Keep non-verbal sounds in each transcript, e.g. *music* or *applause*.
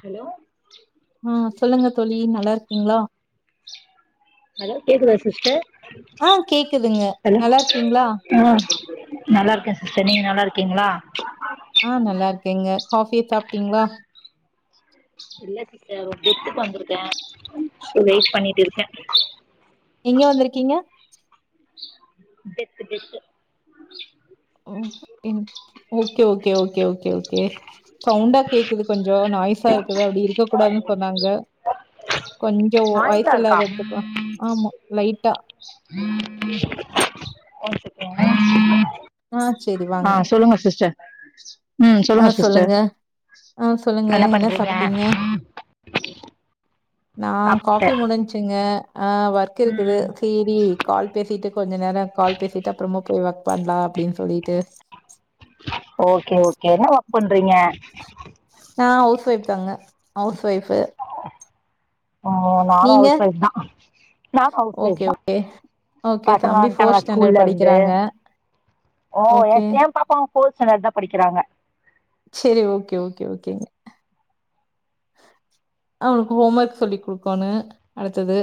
Hello ம் சொல்லுங்க தோழி நல்லா இருக்கீங்களா ஹலோ கேக்குதா சிஸ்டர் ஆ கேக்குதுங்க. அ நல்லா இருக்கீங்களா? நல்லா இருக்கே சிஸ்டர் நீங்க நல்லா இருக்கீங்களா ஆ நல்லா இருக்கேங்க காஃபிய சாப்ட்டீங்களா இல்ல சிஸ்டர் ஒரு டெத்துக்கு வந்திருக்கே வெயிட் பண்ணிட்டு இருக்கே எங்க வந்துருக்கிங்க டெத் டெத் ஓ okay okay okay okay okay சவுண்டா கேக்குது கொஞ்ச நாய்ஸா இருக்குது அப்டி இருக்க கூடாதுனு சொன்னாங்க கொஞ்சோ நாய்ஸா வாய்ஸ் இருக்கா இல்லாத எடத்துக்கு ஆமா லைட்டா ஒன் செக ஆ சேரி ஆ வாங்க. சொல்லுங்க சிஸ்டர் ம் சொல்லுங்க சிஸ்டர் ஆ சொல்லுங்க என்ன பண்றீங்க சாப்ட்டீங்க? நா சாப்ட்ட காஃபி முடிஞ்ச்சுங்க ஆ வர் இருக்குது ம் தீ ரீ டி கால் பேசிட்டு கொஞ்ச நேர கால் பேசிட்டு அப்புறமா போய் ஒர்க் பண்லா அப்டின்னு சொல்லிட்டு ஓகே ஓகே என்ன ஒர்க் பண்றீங்க அ ஹவுஸ் ஒயிஃப் தாங்க ஹவுஸ் ஒயிஃபு ஆ நானு நீங்க ஹவுஸ் வைஃப் தா நா ஹவுஸ் வைஃப் ஓகே தா ஓகே பசங்க தம்பி ஃபோர்த் வந்ட்டாங்களா ஸ்டாண்டர்ட் ஸ்கூல்ல இருந்து படிக்கிறாங்க ஓ ஓகே என் ஏ பாப்பாவு அவங்க ஃபோர்த் ஸ்டேன்டர்ட் தா படிக்கறாங்க சேரி ஓகே ஓகே ஓகேங்க ம் ஹோம் ஒர்க் சொல்லி்டுக்கனு அடுத்தது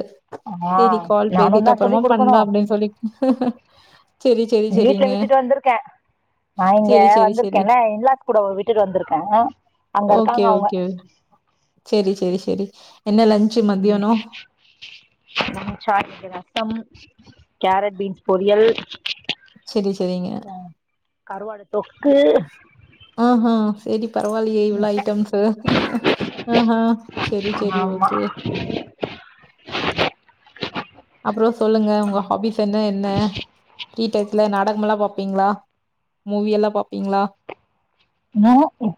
ஆ சேரி கால் நானு பேசிட்டு தா சொல்லி் அப்பறமா குடுக்கணு பண்லா அப்டின்னு சொல்லிட்டு சேரி சேரி சேரிங்க க நான் இங்க வந்திருக்கேன்ல இன்லாஸ் கூட விட்டுட்டு வந்திருக்கே அங்க ஓகே இருக்காங்க அவங்க ஓகே செரி செரி செரி என்ன லன் ம் ச *unintelligible* ரசம் கேரட் பீன்ஸ் பொரியல் செரி செரிங்க அப்றோ கருவாடு தொக்கு ஆ ஹா சரி பரவாயிலையே இவ்ளோ முட்ட ஐட்டம்ஸ் சேரி சேரி ஆமா ஓகே அப்றோ சொல்லுங்க உங்க ஹாபிஸ் என்ன என்ன ஃரீ‌‌ டைம்ல நாடகமெல்லா பாப்பீங்களா மூவி எல்லா பாப்பீங்க்ளா நா உ